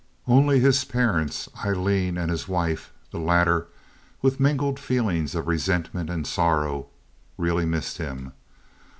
Only his parents, Aileen, and his wife—the latter with mingled feelings of resentment and sorrow—really missed him.